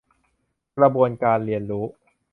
กระบวนการเรียนรู้